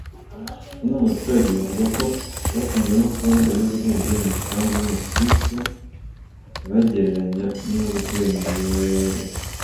Bamwe mu baturage bavuga ko batunguwe no kubona ibiyobyabwenge mu isambu y’umukirisitu bagereranya n’urwengero